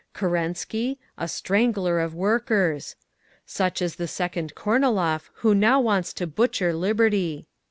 "Kerensky? A strangler of workers! "Such is the second Kornilov who now wants to butcher Liberty!"